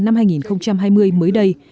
năm hai nghìn hai mươi mới đây